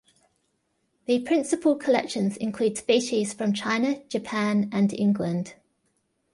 The principal collections include species from China, Japan, and England.